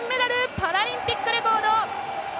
パラリンピックレコード！